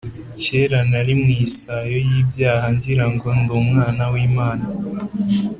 kera narimw isayoy’ibyahangirango ndiumwana w’imana